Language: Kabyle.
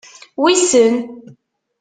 Wissen.